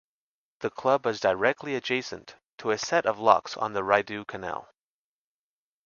The club is directly adjacent to a set of locks on the Rideau Canal.